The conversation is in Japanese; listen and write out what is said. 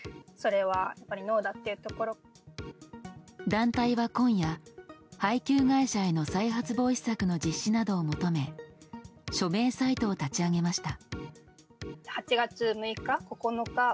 団体は今夜、配給会社への再発防止策の実施などを求め署名サイトを立ち上げました。